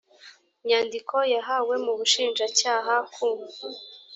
nyandiko yahawe mu bushinjacyaha ku